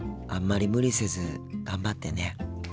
あんまり無理せず頑張ってね。